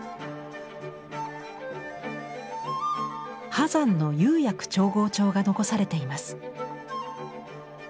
波山の釉薬調合帳が残されています。